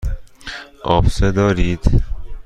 آبسه دارید.